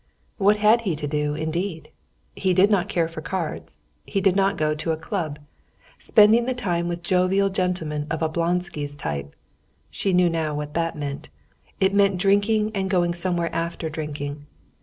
What had he to do, indeed? He did not care for cards; he did not go to a club. Spending the time with jovial gentlemen of Oblonsky's type—she knew now what that meant ... it meant drinking and going somewhere after drinking.